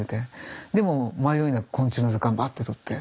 でもう迷いなく昆虫の図鑑バッて取って。